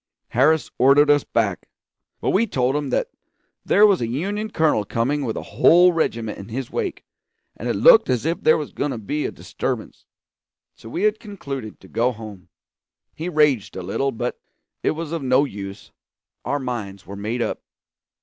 Harris ordered us back; but we told him there was a Union colonel coming with a whole regiment in his wake, and it looked as if there was going to be a disturbance; so we had concluded to go home. He raged a little, but it was of no use; our minds were made up.